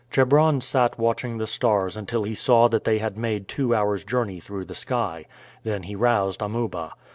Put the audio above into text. Chebron sat watching the stars until he saw that they had made two hours' journey through the sky. Then he roused Amuba.